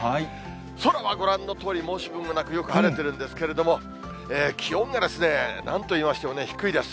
空はご覧のとおり、申し分もなくよく晴れてるんですけれども、気温がですね、なんと言いましても低いです。